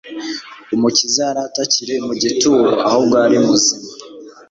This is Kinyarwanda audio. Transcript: Umukiza yari atakiri mu gituro ahubwo yari muzima.